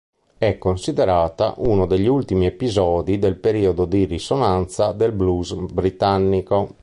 È considerata uno degli ultimi episodi del periodo di risonanza del Blues britannico.